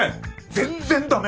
全然ダメ！